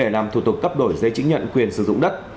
làm thủ tục cấp đổi giấy chứng nhận quyền sử dụng đất